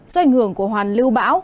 do ảnh hưởng của hoàn lưu bão